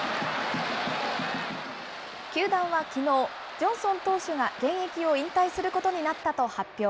球団はきのう、ジョンソン投手が現役を引退することになったと発表。